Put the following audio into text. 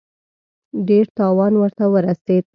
ډېر تاوان ورته ورسېد.